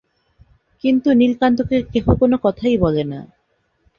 কিন্তু নীলকান্তকে কেহ কোনো কথাই বলে না।